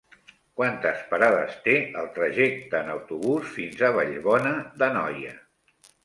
Quantes parades té el trajecte en autobús fins a Vallbona d'Anoia?